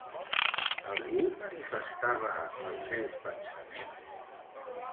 Algú manifestava els seus pensaments?